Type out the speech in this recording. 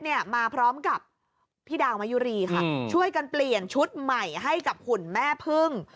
เนี่ยมาพร้อมกับพี่ดาวมายุรีค่ะช่วยกันเปลี่ยนชุดใหม่ให้กับหุ่นแม่พึ่ง